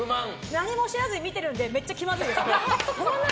何も知らずに見てるのでめっちゃ気まずいです。